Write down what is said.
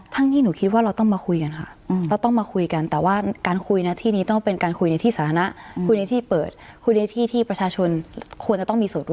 ที่หนูคิดว่าเราต้องมาคุยกันค่ะเราต้องมาคุยกันแต่ว่าการคุยนะที่นี้ต้องเป็นการคุยในที่สาธารณะคุยในที่เปิดคุยในที่ที่ประชาชนควรจะต้องมีส่วนรู้